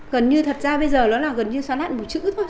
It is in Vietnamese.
gần như thật ra bây giờ nó là gần như xóa nán một chữ thôi